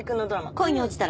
『恋におちたら』。